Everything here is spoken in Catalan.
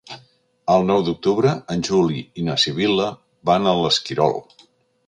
El nou d'octubre en Juli i na Sibil·la van a l'Esquirol.